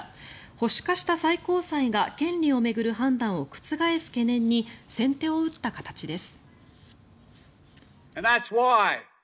保守化した最高裁が権利を巡る判断を覆す懸念に先手を打った形です。